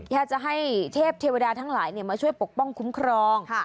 อยากจะให้เทพเทวดาทั้งหลายมาช่วยปกป้องคุ้มครอง